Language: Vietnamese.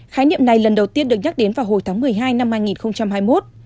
khái niệm này lần đầu tiên được nhắc đến vào hồi tháng một mươi hai năm hai nghìn hai mươi một